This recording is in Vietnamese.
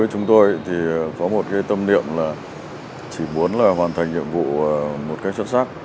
với chúng tôi thì có một cái tâm niệm là chỉ muốn là hoàn thành nhiệm vụ một cách xuất sắc